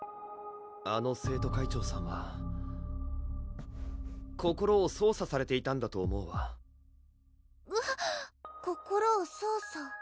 あの生徒会長さんは心を操作されていたんだと思うわあぁ心を操作